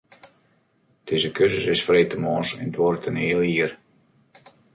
Dizze kursus is freedtemoarns en duorret in heal jier.